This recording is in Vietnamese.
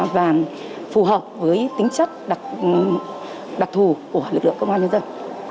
và phù hợp với tính chất đặc thù của lực lượng công an nhân dân